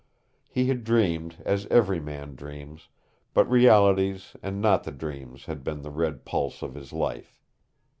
He had dreamed, as every man dreams, but realities and not the dreams had been the red pulse of his life.